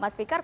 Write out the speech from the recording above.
baik ter jed